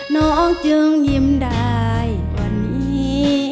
น้องจึงยิ้มได้กว่านี้